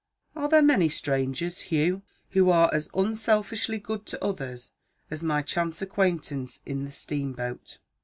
Are there many strangers, Hugh, who are as unselfishly good to others as my chance acquaintance in the steamboat?"